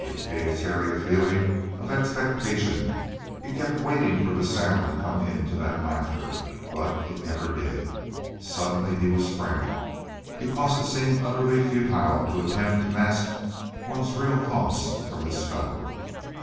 It gave Terry a feeling of expectation. He kept waiting for the sound to come into that laughter, but it never did. Suddenly he was frank, because it seemed utterly futile to attempt to mask one's real thoughts from this fellow.